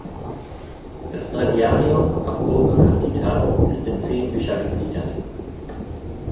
Das "Breviarium ab urbe condita" ist in zehn Bücher gegliedert.